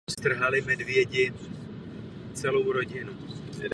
Po druhém nočním odpočinku se posádka začala připravovat na návrat na Zemi.